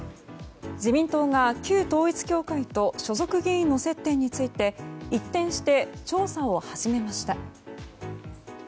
自民党が旧統一教会と所属議員の接点について一転して調査を始めました。